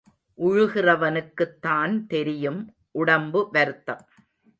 உழுகிறவனுக்குத்தான் தெரியும், உடம்பு வருத்தம்.